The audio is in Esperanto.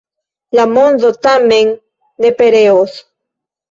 La mondo tamen ne pereos.